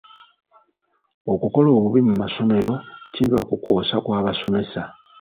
Okukola obubi mu masomero kiva ku kwosa kw'abasomesa.